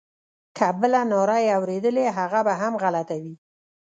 که بله ناره یې اورېدلې هغه به هم غلطه وي.